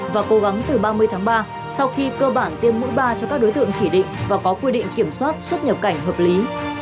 và cố gắng từ ba mươi tháng ba sau khi cơ bản tiêm mũi ba cho các đối tượng chỉ định và có quy định kiểm soát xuất nhập cảnh hợp lý